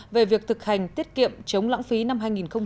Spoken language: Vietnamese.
về việc thực hành tiết kiệm chống lãng phí năm hai nghìn một mươi sáu